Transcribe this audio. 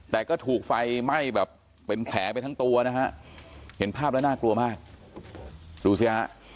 แต่ก็ถูกไฟไหม้แบบเป็นแผลไปทั้งตัวนะฮะเห็นภาพแล้วน่ากลัวมากดูสิฮะ